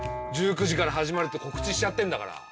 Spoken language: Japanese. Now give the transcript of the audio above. １９時から始まるって告知しちゃってんだから。